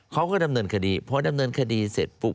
เขาก็ดำเนินคดีพอดำเนินคดีเสร็จปุ๊บ